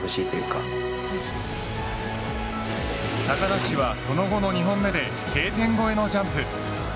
高梨はその後の２本目でＫ点越えのジャンプ。